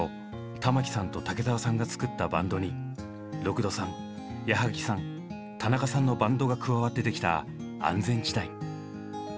玉置さんと武沢さんが作ったバンドに六土さん矢萩さん田中さんのバンドが加わって出来た安全地帯。